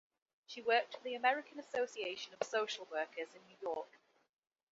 She worked for the American Association of Social Workers in New York.